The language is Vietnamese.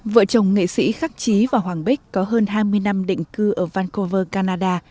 vợ chồng nghệ sĩ khắc trí và hoàng bích có hơn hai mươi năm định cư ở vancover canada